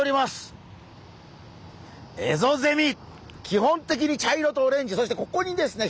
基本的に茶色とオレンジそしてここにですね